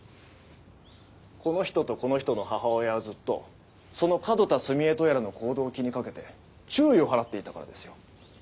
この人とこの人の母親はずっとその角田澄江とやらの行動を気にかけて注意を払っていたからですよ。